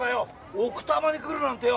奥多摩に来るなんてよ